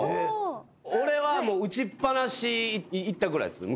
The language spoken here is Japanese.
俺は打ちっ放し行ったぐらいですね昔。